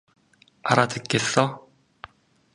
알아듣겠어?